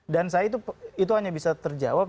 dan saya itu hanya bisa terjawab